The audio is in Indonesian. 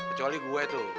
kecuali gue tuh